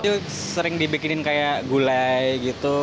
itu sering dibikinin kayak gulai gitu